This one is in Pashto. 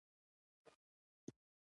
په کلیو کې د شپې مجلسونه یو لرغونی دود دی.